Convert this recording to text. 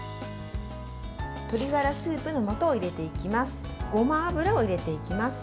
鶏がらスープの素を入れていきます。